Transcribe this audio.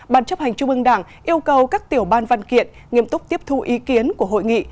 bàn chấp hành trung ương đảng yêu cầu các tiểu ban văn kiện nghiêm túc tiếp thu ý kiến của hội nghị